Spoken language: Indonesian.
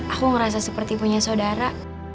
aku ngerasa seperti punya saudara